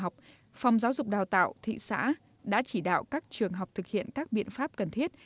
khi các em đến trường học phòng giáo dục đào tạo thị xã đã chỉ đạo các trường học thực hiện các biện pháp cần thiết